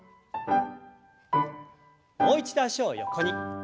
もう一度脚を横に。